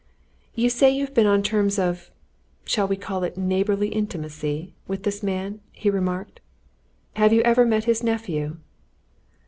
"You say you've been on terms of shall we call it neighbourly intimacy? with this man," he remarked. "Have you ever met his nephew?"